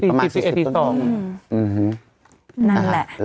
๔๐ประมาณ๔๐ต้นอื้อฮือนั่นแหละ